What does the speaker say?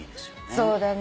そうだね。